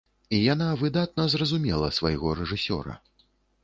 І яна выдатна зразумела свайго рэжысёра.